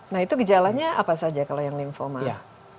nah itu gejalanya apa saja kalau yang lymphoma